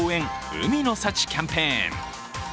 海の幸キャンペーン。